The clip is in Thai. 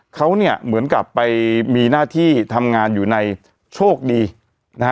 เขาเนี่ยเหมือนกับไปมีหน้าที่ทำงานอยู่ในโชคดีนะฮะ